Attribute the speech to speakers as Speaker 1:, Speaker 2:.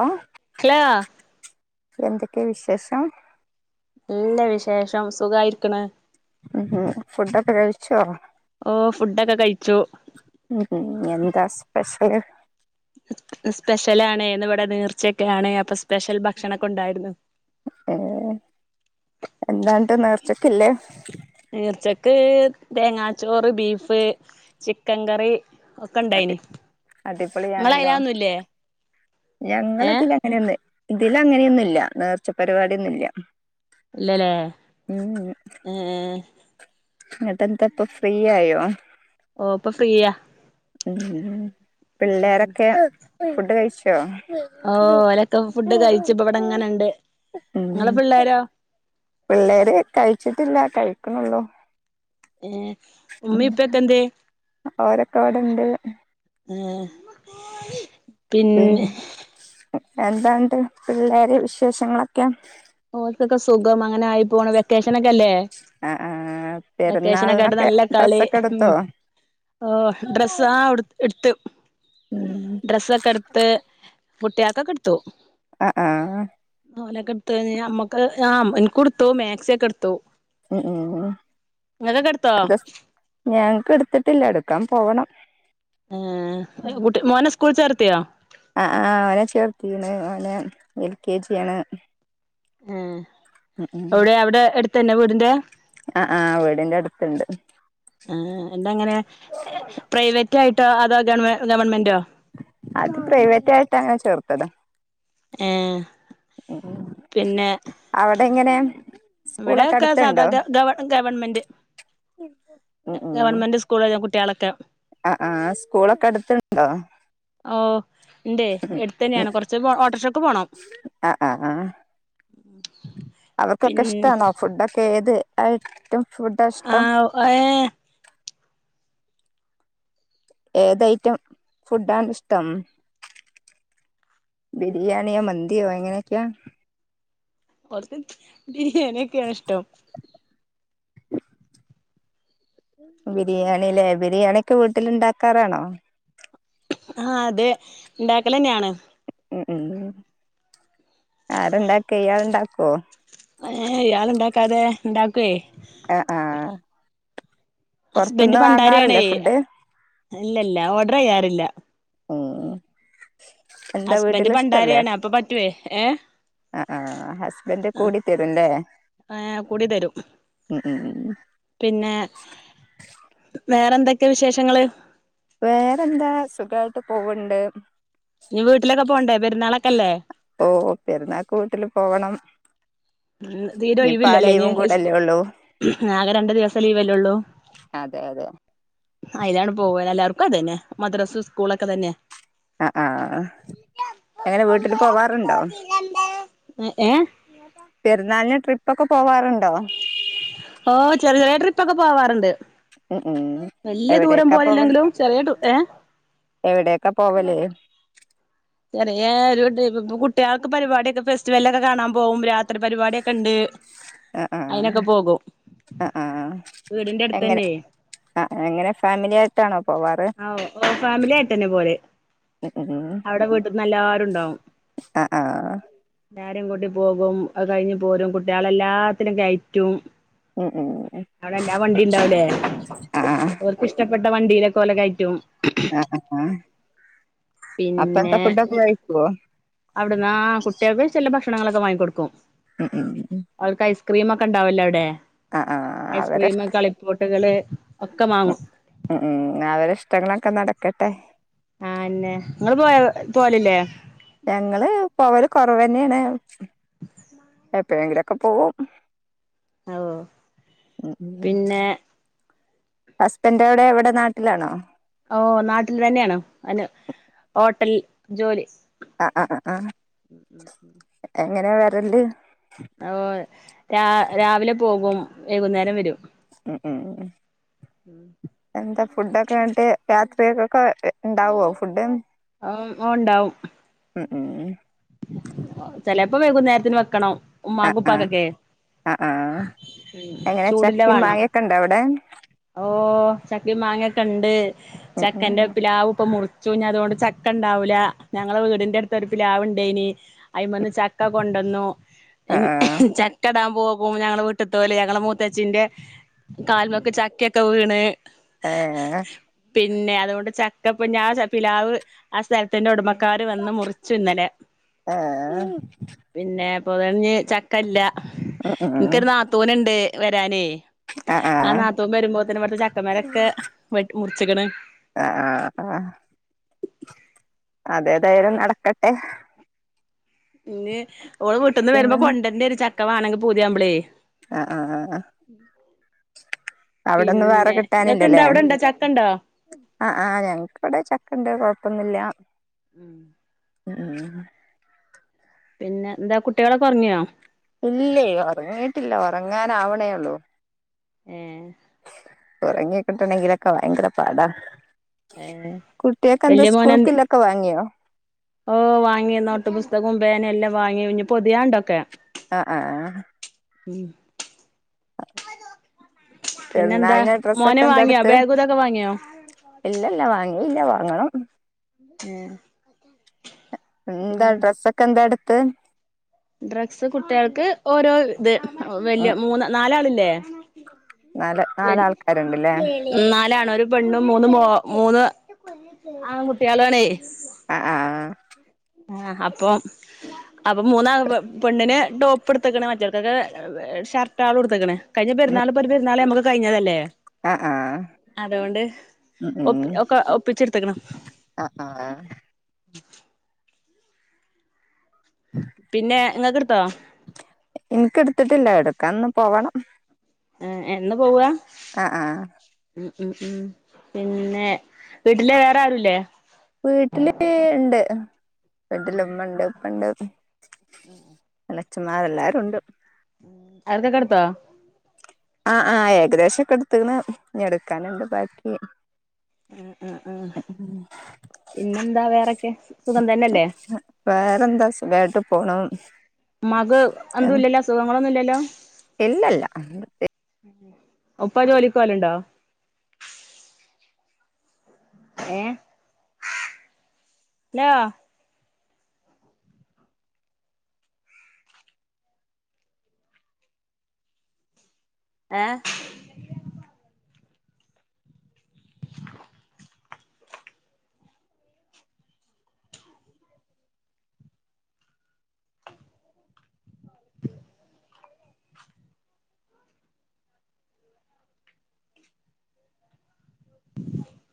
Speaker 1: ആഹ്
Speaker 2: hello
Speaker 1: എന്തൊക്കെ വിശേഷം
Speaker 2: നല്ല വിശേഷം. സുഖായിരിക്ക്ണ്
Speaker 1: ഉം ഫുഡ്ഡൊക്കെ കഴിച്ചോ
Speaker 2: ഓഹ് ഫുഡ്ഡൊക്കെ കഴിച്ചു
Speaker 1: ഉം ഹും എന്താ സ്പെഷ്യല്
Speaker 2: ന്ന് സ്പെഷ്യലാണ്. ന്ന് വടെ നീർച്ചയൊക്കെയാണ്. അപ്പൊ സ്പെഷ്യൽ ഭക്ഷണൊക്കെ ഉണ്ടായിരുന്നു
Speaker 1: ഏഹ് എന്താന്നട്ട് നേർച്ചക്കില്ലേ
Speaker 2: നീർച്ചക്ക് തേങ്ങാച്ചോറ് ബീഫ് ചിക്കൻ കറി
Speaker 1: അടി
Speaker 2: ഒക്കെണ്ടായിനി.
Speaker 1: അടിപൊളിയാണല്ലോ
Speaker 2: ങ്ങളഅയ്ലതൊന്നുല്ലേ ഏഹ്
Speaker 1: അങ്ങന്യൊന്ന് ഇതിലങ്ങന്യൊന്നുല്ല നേർച്ച പരിപാട്യൊന്നുല്യ
Speaker 2: ഇല്ലല്ലേ
Speaker 1: ഉം ഉം
Speaker 2: ഏ
Speaker 1: ങ്ങട്ടെന്താപ്പൊ ഫ്രീ ആയോ
Speaker 2: ഓഹ് പ്പൊ ഫ്രീയാ
Speaker 1: ഉം പിള്ളേരൊക്കെ ഫുഡ്ഡ് കഴിച്ചോ
Speaker 2: ഓഹ് ഓലൊക്കെ ഫുഡ്ഡ്കഴിച്ച്പ്പ വടെങ്ങനെണ്ട്.
Speaker 1: ഉം
Speaker 2: ങ്ങളെ പിള്ളേരോ
Speaker 1: പിള്ളേര് കഴിച്ചിട്ടില്ല കഴിക്ക്ണൊള്ളൂ
Speaker 2: ഏഹ് ഇമ്മി പ്യൊക്കെന്തേയ്
Speaker 1: ഓരൊക്കെ ഇവിടെണ്ട്
Speaker 2: ഏഹ്
Speaker 1: പിന്നെ എന്താന്ന്ണ്ട് പിള്ളേരെ വിശേഷങ്ങളൊക്കെ
Speaker 2: ഓൽക്കൊക്കെ സുഖം അങ്ങനായി പോണ്. വെക്കേഷനൊക്കല്ലേ
Speaker 1: ആ ആ
Speaker 2: വെക്കേഷനൊക്കായിട്ട്
Speaker 1: പെരുന്നാളിനൊക്കെ
Speaker 2: നല്ല കളി
Speaker 1: ഡ്രസ്സൊക്കെ
Speaker 2: ഉം
Speaker 1: എടുത്തോ
Speaker 2: ഓഹ് ഡ്രസ്സ് ആഹ് ഇട്ത്ത്‌, ഡ്രസ്സൊക്കെട് ത്ത് കുട്ട്യാക്കൊക്കെ ഇട്ത്തു
Speaker 1: അഹ് ആഹ്
Speaker 2: ഓലൊക്കെട്ത്ത് കഴ്ഞ്ഞ അമ്മക്ക് അമ്മ ആ ഇൻക്കും ഇട്ത്തു മാക്സിയൊക്കെ ഇട്ത്തു
Speaker 1: ഉം ഉം എന്താ സ് ഞങ് ക്ക് ഇട്ത്ത്ട്ട്ല്ല ഇട്ക്കാൻ പോണം
Speaker 2: ആ കുട്ടി മോനെ സ്കൂളി ചേർത്തിയോ?
Speaker 1: അഹ് ആഹ് ഓനെ ചേർത്തീക്ണ് ഓനെ എൽ കെ ജി യാണ്
Speaker 2: ഏഹ് ഔടെ അവ്ടെ എട്ത്തന്നെ വീടിന്റെ
Speaker 1: അഹ് ആഹ് വീടിന്റെ അട്ത്ത്ണ്ട്
Speaker 2: ആ എന്ത അങ്ങനെ പ്രൈവറ്റ് ആയിട്ടോ അതോ ഗവ ഗവൺമെന്റോ
Speaker 1: അത് പ്രൈവറ്റ് ആയിട്ടാണ് ചേർത്തത്
Speaker 2: ഏഹ്
Speaker 1: [unintelligible]
Speaker 2: പിന്നെ
Speaker 1: അവടെ എങ്ങനെയാ
Speaker 2: ഇവിടൊക്കെ സാധാ ഗ ഗവ ഗവൺമെന്റ്
Speaker 1: ഉം
Speaker 2: ഗവൺമെന്റ് സ് കൂളിലാ കുട്ടിയാളൊക്കെ
Speaker 1: അഹ് ആഹ് സ്കൂളൊക്കെ അട്ത്ത്ണ്ടോ
Speaker 2: ഓഹ് ഇണ്ടയ് എട്ത്തന്നേണ് കൊർച്ച് പോ ഓട്ടർക്ഷക്ക് പോണം
Speaker 1: അഹ് അഹ് ആഹ് അവർക്കൊക്കെ
Speaker 2: പിന്നെ
Speaker 1: ഇഷ്ടാണോ ഫുഡൊക്കെ ഏത് ഐയിറ്റം ഫുഡാ ഇഷ്ടം
Speaker 2: [unintelligible]
Speaker 1: ഏത് ഐറ്റം ഫുഡാണിഷ്ടം ബിരിയാണിയോ മന്തിയോ എങ്ങനെക്കെയാ?
Speaker 2: ഓർക്ക് ബിരിയാണി ഒക്കേണ് ഇഷ്ടം
Speaker 1: ബിരിയാണില്ലേ ബിരിയാണിയൊക്കെ വീട്ടില്ണ്ടാക്കാറാണോ
Speaker 2: ആഹ് അതെ ഉണ്ടാക്കലന്നേണ്
Speaker 1: ഉം ഉം ആരണ്ടാക്ക ഇയാൾ ഇണ്ടാക്കോ?
Speaker 2: ഏഹ് ഇയാള്ണ്ടാക്കാതെ ഇണ്ടാക്കൊയ്
Speaker 1: അഹ് ആഹ് പൊർത്ത്ന്ന് വാങ്ങാറില്ലേ ഫുഡ്
Speaker 2: ഇല്ല ഇല്ല ഓർഡറയ്യാറില്ല
Speaker 1: ഉം എന്താ
Speaker 2: ഹസ്ബൻഡ്
Speaker 1: വീട്ടില്
Speaker 2: പണ്ടാരിയാണ് അപ്പൊ പറ്റൊയ് ഏഹ്
Speaker 1: അഹ് ആഹ് ഹസ്ബൻഡ് കൂടിത്തരും ല്ലേ
Speaker 2: ഏഹ് കൂടി തരും
Speaker 1: ഉം ഉം
Speaker 2: പിന്നെ വേറെന്തെക്കെ വിശേഷങ്ങള്
Speaker 1: വേറെന്താ സുഖായിട്ട് പോവ്ണ്ട്
Speaker 2: ഇനി വീട്ടിലൊക്കെ പോണ്ടേ പെരുന്നാളൊക്കെ അല്ലേ
Speaker 1: ഓഹ് പെരുന്നാക്ക് വീട്ടില് പോവണം
Speaker 2: ഉം തീരെ ഒയ്
Speaker 1: ഇനിയിപ്പ
Speaker 2: വ്
Speaker 1: ആ
Speaker 2: ല്ലല്ലേ ഇനി
Speaker 1: ലീവും
Speaker 2: ഇസ്‌കൂ
Speaker 1: കൂടല്ലേ ഉള്ളൂ
Speaker 2: ആകെ രണ്ടു ദിവസം ലീവല്ലേള്ളൂ
Speaker 1: അതെ അതെ
Speaker 2: അയിലാണ് പോവന്നെ എല്ലാർക്കും അത് തന്നെ മദ്രസ് സ്കൂളൊക്കെ തന്നെ
Speaker 1: അഹ് ആഹ് എങ്ങനെ വീട്ടിൽ പോവാറ്ണ്ടോ
Speaker 2: ഏഹ്
Speaker 1: പെരുന്നാളിന് ട്രിപ്പ് ഒക്കെ പോവാറുണ്ടോ
Speaker 2: ഓഹ് ചെറിയ ചെറിയ ട്രിപ്പൊക്കെ പോവാറുണ്ട്
Speaker 1: ഉം ഉം
Speaker 2: വല്യ ദൂരം
Speaker 1: എവിടെയൊക്കാ
Speaker 2: പോയില്ലെങ്കിലും ചെറിയ ട്രി ഏഹ്
Speaker 1: എവിടെക്കാ പോവല്
Speaker 2: ചെറിയ ഒരു കുട്ടികൾക്ക് പരിപാടിയൊക്കെ ഫെസ്റ്റിവലൊക്കെ കാണാൻ പോകും രാ ത്രി പരിപാടിയൊക്കെ ഉണ്ട്
Speaker 1: ആ ആ
Speaker 2: അയിനൊക്കെ പോകും
Speaker 1: ആ ആ
Speaker 2: വീടിന്റെ അടുത്ത്
Speaker 1: എങ്ങനെ
Speaker 2: തന്നെ
Speaker 1: ആ എങ്ങനെ ഫാമിലിയ ട്ടാണോ പോവാറ്
Speaker 2: ആഹ് ഓഹ് ഫാമിലി ആയിട്ട് തന്നെ പോവല്
Speaker 1: ഉം ഉം
Speaker 2: അവിടെ വീട്ട് നല്ലാവരും ഇണ്ടാവും
Speaker 1: ആ ആ
Speaker 2: എല്ലാരും കൂട്ടി പോയകും കഴിഞ്ഞഞ് പോരും കുട്ടികളെ എല്ലാത്തിനും കയറ്റും
Speaker 1: ഉം ഉം
Speaker 2: അവിടെല്ലാ വണ്ടി ഉണ്ടാവുലേ
Speaker 1: ആ
Speaker 2: ഇഷ്ടപ്പെട്ട വണ്ടിയിലൊക്കെ ഓലെ കയറ്റും
Speaker 1: ആ ആ അപ്പന്ത ഫുഡ് ഒക്കെ കയിക്കൊ
Speaker 2: അവിടുന്ന ആഹ് കുട്ട്യോക്ക് ചില ഭക്ഷണങ്ങളൊക്കെ വാങ്ങിക്കൊടുക്കും
Speaker 1: ഉം ഉം ഉം
Speaker 2: അവർക്ക് ഐസ്ക്രീമ് ഒക്കെ ഉണ്ടാവുല്ല അവിടെ
Speaker 1: ആ ആ അവരെ
Speaker 2: ഐസ്ക്രീമ്
Speaker 1: ഇഷ്ട
Speaker 2: ഒക്കെ കളി പോട്ട്കള് ഒക്കെ മാങ്ങും
Speaker 1: ഉം ഉം അവരി ഇഷ്ടങ്ങളൊക്കെ നടക്കട്ടെ
Speaker 2: ആന്നെ നിങ്ങള് പോയ പോല്ല്ല്ലേ
Speaker 1: ഞങ്ങള് പോവല് കൊറവ് തന്നെയാണ് എപ്പളേങ്കിലൊക്കെ പോവും
Speaker 2: ഓ പിന്നെ
Speaker 1: ഹസ്ബൻറ് എവിടെ ഇവിടെ നാട്ടിലാണോ
Speaker 2: ഓ നാട്ടിൽ തന്നെയാണ് അന് ഹോട്ടൽ ജോലി
Speaker 1: ആഹ് ആഹ് ആ എങ്ങനെ വരല്
Speaker 2: ഓഹ് രാ രാവിലെ പോകും വൈകുന്നേരം വരും
Speaker 1: ഉം ഉം ഉം
Speaker 2: ഉം
Speaker 1: എന്താ ഫുഡൊക്കെ വിട്ട് രാത്രിയൊക്കൊക്കെ ഉണ്ടാവോ ഫുഡ്
Speaker 2: ഓഹ് ഉണ്ടാവും
Speaker 1: ഉം ഉം
Speaker 2: ചെലപ്പോ വൈകുന്നേരത്തിന് വെക്കണം ഉമ്മാക്കും
Speaker 1: ആഹ് ആഹ്
Speaker 2: ഉപ്പാകൊക്കെ
Speaker 1: ആഹ് ആഹ്
Speaker 2: ഉ
Speaker 1: എങ്ങനെ
Speaker 2: ചൂട് ള്ളെ
Speaker 1: ചക്കിം
Speaker 2: വേണം
Speaker 1: മാങ്ങൊക്കെ ഇണ്ടോ അവിടെ
Speaker 2: ഓഹ് ചക്കിം മാങ്ങൊക്കെ ഉണ്ട്
Speaker 1: ഉം
Speaker 2: ചക്ക
Speaker 1: ഉം
Speaker 2: പിലാവ് ഇപ്പ മുറി ചൂ ഞ്ഞ അതുകൊണ്ട് ചക്ക ഉണ്ടാവൂല ഞങ്ങളെ വീടിന്റെ അടുത്ത് ഒരു പിലാവ്ണ്ട് ഇണ്ടായിനി അയ്മന്ന് ചക്ക കൊണ്ടുവന്നു
Speaker 1: ആഹ് ആഹ്
Speaker 2: ചക്ക ഇടാൻ പോവുമ്പോ ഞങ്ങെ വീട്ട് ത്തോല് ഞങ്ങങ്ങള് മൂത്തച്ച്ചിന്റെ കാൽമക്ക് ചക്കയൊക്കെ വീണ്
Speaker 1: ഏഹ്
Speaker 2: പിന്നെ അതുകൊണ്ട് ചക്കപ്പഞ്ഞതോണ് ആ പിലാവ് ആഹ് സ്ഥലത്തിന്റെ ഉടമക്കാര് വന്ന് മുറിച്ചു ഇന്നലെ
Speaker 1: ഏഹ്
Speaker 2: പിന്നെ പൊതഴഞ്ഞ് ചക്കല്ല
Speaker 1: ഉം ഉം
Speaker 2: എനിക്കൊനു രു നാത്തൂന ഇണ്ട് വരാനെ
Speaker 1: ആഹ് ആഹ്
Speaker 2: തും വരുമ്പോതെന് മറ്റേ ചക്കമര ഒക്കെ വെടി മുറിച്ചിക്കണ്
Speaker 1: ആഹ് ആഹ് ആഹ് അതെതായാലും നടക്കട്ടെ
Speaker 2: ഇനി ഓള് വീട്ടന്ന് വരുമ്പോ
Speaker 1: പിന്നെന്താ
Speaker 2: കൊണ്ടണ്ട ഒരു ചക്ക വണെങ്കി പൂതിയാമ്പളേ
Speaker 1: ആഹ് ആഹ് ആഹ് അവിടൊന്നും വേറെ
Speaker 2: പിന്നെ ഇങ്ങക്ക്ണ്ടോ
Speaker 1: കിട്ടാനില്ലല്ലേ
Speaker 2: അവിടെണ്ടോ ചക്കണ്ടോ
Speaker 1: ആഹ് ആഹ് ഞങ്ങക്ക് ഇവിടെ ചക്കണ്ട് കൊഴപ്പൊന്നില്ല
Speaker 2: ഉം
Speaker 1: ഉം ഉം ഉം
Speaker 2: പിന്നെ എന്താ കുട്ടികളെ ഒക്കെ ഒറങ്ങിയൊ
Speaker 1: ഇല്ലേ ഒറങ്ങീട്ടില്ല ഒറങ്ങാനാവണേ ഒള്ളൂ
Speaker 2: ഏഹ്
Speaker 1: ഒറങ്ങിക്കിട്ടണെങ്കിലൊക്കെ ഭയങ്കര പാടാ
Speaker 2: ഏഹ്
Speaker 1: കുട്ട്യേക്കെന്താ
Speaker 2: വല്യ മോനെന്ത്
Speaker 1: സ്കൂൾക്കില്ലെക്കെ വാങ്ങിയോ?
Speaker 2: ഓഹ് വാങ്ങി നോട്ട് പുസ്തകോം പേനേം എല്ലാം വാങ്ങി ഇനി പൊതിയണ്ടൊക്കെ.
Speaker 1: ആഹ് ആഹ് ആഹ്
Speaker 2: ഉം. പിന്നെന്താ
Speaker 1: പെര്ന്നാളിന്
Speaker 2: മോന്
Speaker 1: ഡ്രെസ്സൊക്കെ എന്താ
Speaker 2: വാങ്ങിയോ
Speaker 1: എട്ത്ത്?
Speaker 2: ബാഗും ഇതൊക്കെ വാങ്ങിയോ
Speaker 1: ഇല്ലല്ല വാങ്ങി ഇല്ല വാങ്ങണം.
Speaker 2: ഏഹ്
Speaker 1: പിന്നെന്താ
Speaker 2: ഉം
Speaker 1: ഡ്രസ്സൊക്കെ എന്താ എട്ത്തെ?.
Speaker 2: ഡ്രഗ്സ് കുട്ട്യാൾക്ക് ഓരോ ഇത്
Speaker 1: ഉം
Speaker 2: വല്ല്യേ മൂന്ന് നാലാളില്ലേ?
Speaker 1: നാല്
Speaker 2: വേൽ
Speaker 1: നാലാൾക്കാരുണ്ടല്ലേ
Speaker 2: ഉം നാലാണ്. ഒരു പെണ്ണും മൂന്ന് മോ മൂന്ന് ആ കുട്ട്യാളാണെയ്.
Speaker 1: ആഹ് ആഹ്
Speaker 2: ആഹ് അപ്പോം അപ്പൊ മൂന്നാ പെ പെണ്ണിന് ടോപ്പ് ഇട്ത്ത്ക്ക്ണ് മറ്റോൽക്കൊക്കെ ഷർട്ടാളും ഇട്ത്ത്ക്ക്ണ്. കയിഞ്ഞ
Speaker 1: ഉം
Speaker 2: പെര്ന്നാള് ഇപ്പൊര് പെര്ന്നാള് ഞമ്മക്ക് കയിഞ്ഞതല്ലേ?
Speaker 1: ആഹ് ആഹ്
Speaker 2: അതോണ്ട്
Speaker 1: ഉം
Speaker 2: ഒപ്പി ഒക്ക ഒപ്പിച്ചെട്ത്ത്ക്ക്ണ്.
Speaker 1: അഹ് ആഹ്.
Speaker 2: പിന്നെ ഇങ്ങക്ക് എട്ത്തോ?
Speaker 1: എനിക്ക് എട്ത്ത്ട്ടില്ല എട്ക്കാൻ ഇന്ന് പോവണം.
Speaker 2: ഏഹ് ഇന്ന് പോവാ?
Speaker 1: ആഹ് ആഹ്
Speaker 2: ഉം ഉം ഉം പിന്നെ വീട്ടില് വേറെ ആരൂ ഇല്ലേ?
Speaker 1: വിട്ടില് ഇണ്ട് വിട്ടിലുമ്മണ്ട്, ഇപ്പണ്ട്
Speaker 2: ഉം ഉം
Speaker 1: എളേച്ചമ്മാര് എല്ലാരുണ്ട്.
Speaker 2: അവര്ക്കൊക്കെ എട്ത്തോ?
Speaker 1: ആഹ് ആഹ് ഏകദേശൊക്കെ എട്ത്ത്ക്ക്ണ് ഇനി എട്ക്കാന്ണ്ട് ബാക്കി
Speaker 2: ഉം ഉം ഉം പിന്നെന്താ വേറെക്കെ സുഖം തൻ അല്ലേ?
Speaker 1: വേറെന്താ സുഖായിട്ട് പോണു
Speaker 2: ഇമ്മാക്ക് അന്തും ഇല്ലല്ലോ അസുഖങ്ങളൊന്നും ഇല്ലല്ലോ?
Speaker 1: ഇല്ലല്ലാ
Speaker 2: ഉം ഉം ഉപ്പാ ജോലിക്കോവല്ണ്ടോ? ഏഹ് ഹലോ. ഏഹ് [unintelligible] [unintelligible]